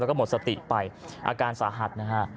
แล้วก็หมดสติไปอาการสาหัสนะฮะ